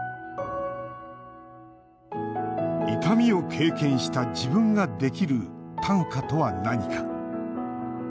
痛みを経験した自分ができる短歌とは何か。